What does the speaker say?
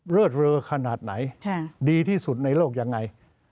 เลิศเลอขนาดไหนดีที่สุดในโลกยังไง